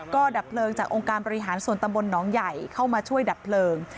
ก็ดับเพลิงจากองค์การบริหารส่วนตำบลหนองใหญ่เข้ามาช่วยดับเพลิง